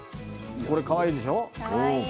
かわいいでしょ